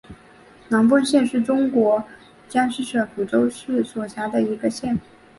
南丰县是中国江西省抚州市所辖的一个县。